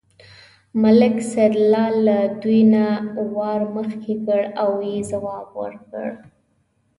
ملک سیدلال له دوی نه وار مخکې کړ او یې ځواب ورکړ.